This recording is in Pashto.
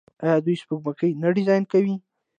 آیا دوی سپوږمکۍ نه ډیزاین کوي؟